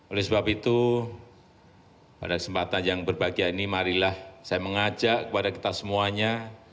oleh sebab itu pada kesempatan yang berbahagia ini marilah saya mengajak kepada kita semuanya